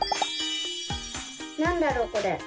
なんだろうこれ？